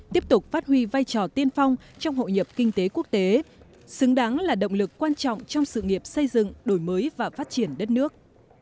tiếp tục phát huy vai trò tiên phong trong hội nhập kinh tế quốc tế xứng đáng là động lực quan trọng trong sự nghiệp xây dựng đổi mới và phát triển đất nước